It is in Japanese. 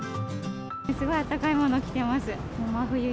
すごい暖かいもの着てます。